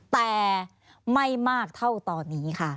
แต่ไม่มากเท่าตอนนี้ค่ะ